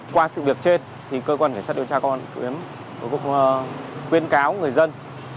qua sự việc trên thì cơ quan hệ sát điều tra của em quyên cáo người dân